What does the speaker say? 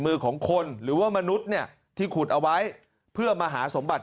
มือของคนหรือว่ามนุษย์เนี่ยที่ขุดเอาไว้เพื่อมาหาสมบัติ